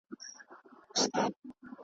د بابر زړه په غمګین و .